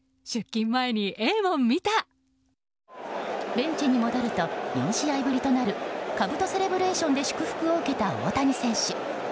ベンチに戻ると４試合ぶりとなるかぶとセレブレーションで祝福を受けた大谷選手。